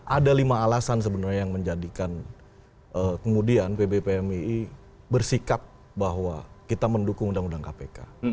ada lima alasan sebenarnya yang menjadikan kemudian pb pmii bersikap bahwa kita mendukung undang undang kpk